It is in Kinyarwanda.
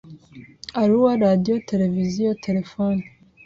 aruwa radiyo tereviziyo terefone